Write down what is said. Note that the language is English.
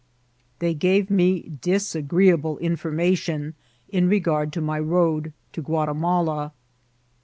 They gave me disagreeable information in regard to my road to Guatimala.